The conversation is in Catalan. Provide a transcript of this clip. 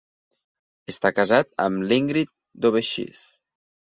Està casat amb l'Ingrid Daubechies.